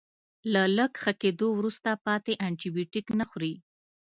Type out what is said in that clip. له لږ ښه کیدو وروسته پاتې انټي بیوټیک نه خوري.